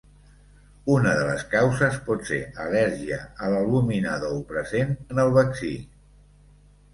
Una de les causes pot ser al·lèrgia a l'albúmina d'ou present en el vaccí.